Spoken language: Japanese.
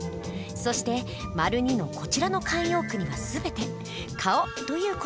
そして②のこちらの慣用句には全て「顔」という言葉が入ります。